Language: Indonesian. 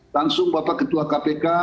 langsung bapak ketua kpk